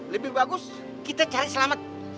lebih bagus kita cari selamat